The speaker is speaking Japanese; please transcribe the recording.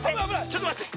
ちょっとまって。